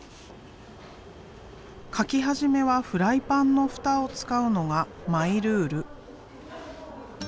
描き始めはフライパンの蓋を使うのがマイルール。